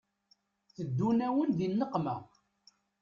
Teddun-awen di nneqma